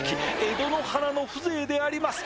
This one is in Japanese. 江戸の華の風情であります